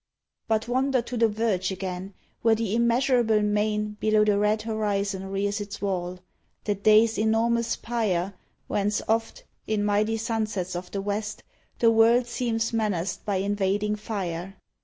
But wander to the verge again Where the immeasurable main Below the red horizon rears its wall, The day's enormous pyre Whence oft, in mighty sunsets of the West, The world seems menaced by invading fire.